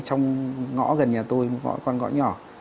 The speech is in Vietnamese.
trong ngõ gần nhà tôi con ngõ nhỏ